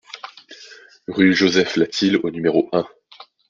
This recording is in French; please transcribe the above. Rue Joseph Latil au numéro un